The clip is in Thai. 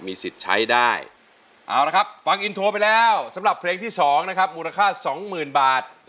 สิทธิ์ใช้ได้เอาละครับฟังอินโทรไปแล้วสำหรับเพลงที่๒นะครับมูลค่าสองหมื่นบาท